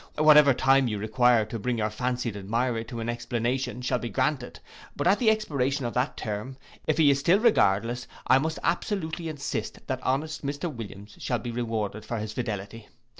Whatever time you require to bring your fancied admirer to an explanation shall be granted; but at the expiration of that term, if he is still regardless, I must absolutely insist that honest Mr Williams shall be rewarded for his fidelity.